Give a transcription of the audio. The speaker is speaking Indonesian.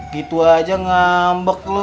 gitu aja ngambek lo